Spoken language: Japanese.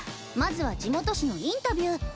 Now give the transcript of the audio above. まずは地元誌のインタビュー。